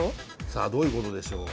さあどういうことでしょう。